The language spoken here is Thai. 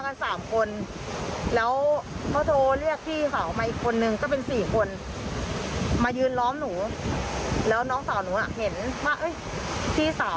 คุณพ่อคุณว่าไง